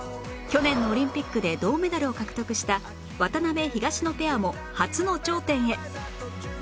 去年のオリンピックで銅メダルを獲得した渡辺東野ペアも初の頂点へ！